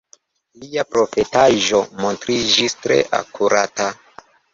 Lia profetaĵo montriĝis tre akurata.